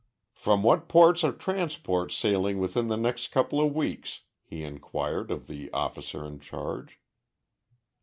"From what ports are transports sailing within the next couple of weeks?" he inquired of the officer in charge.